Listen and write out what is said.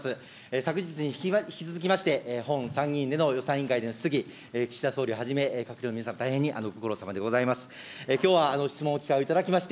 昨日に引き続きまして、本参議院での予算委員会での質疑、岸田総理をはじめ、閣僚の皆さん、大変にご苦労さまでございます。